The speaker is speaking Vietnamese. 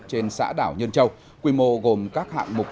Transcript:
trên xã đảo nhân châu quy mô gồm các hạng mục